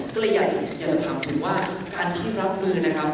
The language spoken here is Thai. ก็เลยอยากจะถามผมว่าการที่รับมือนะครับ